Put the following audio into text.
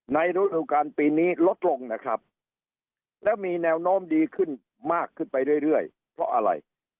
ฤดูการปีนี้ลดลงนะครับแล้วมีแนวโน้มดีขึ้นมากขึ้นไปเรื่อยเพราะอะไร